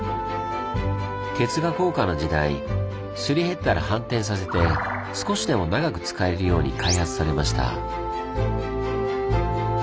鉄が高価な時代すり減ったら反転させて少しでも長く使えるように開発されました。